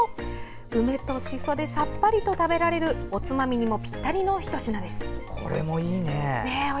梅としそでさっぱりと食べられるおつまみにもぴったりのひと品です。